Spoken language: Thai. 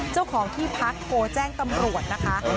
เจ้าของที่พักโทรแจ้งตำรวจนะคะ